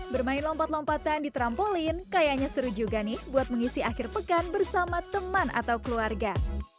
bermain lompat lompatan di trampolin kayaknya seru juga nih buat mengisi akhir pekan bersama teman atau keluarga